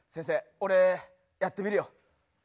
俺やってみるよ